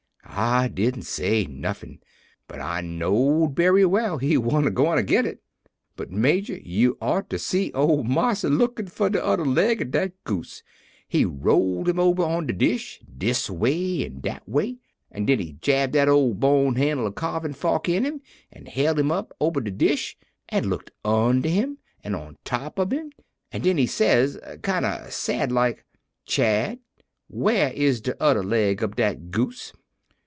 "I didn't say nuffin', but I knowed bery well he wa'n't a gwine to git it. "But, Major, you oughter seen ole marsa lookin' for der udder leg ob dat goose! He rolled him ober on de dish, dis way an' dat way, an' den he jabbed dat ole bone handled caarvin' fork in him an' hel' him up ober de dish an' looked under him an' on top ob him, an' den he says, kinder sad like: "'Chad, whar is de udder leg ob dat goose?'